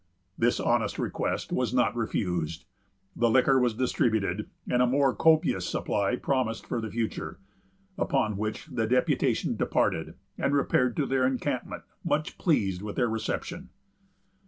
This honest request was not refused. The liquor was distributed, and a more copious supply promised for the future; upon which the deputation departed, and repaired to their encampment, much pleased with their reception.